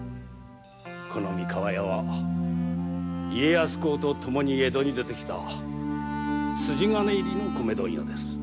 この三河屋は家康公とともに江戸に来た筋金入りの米問屋です。